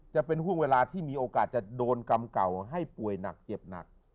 จะเป็นห่วงเวลาที่มีโอกาสจะโดนกำเก่าให้ป่วยหนักเจ็บหนัก